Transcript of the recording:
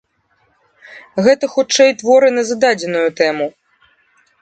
Гэта хутчэй творы на зададзеную тэму.